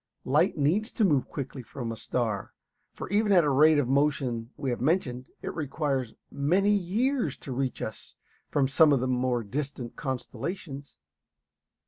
Light needs to move quickly coming from a star, for even at the rate of motion we have mentioned it requires many years to reach us from some of the more distant constellations.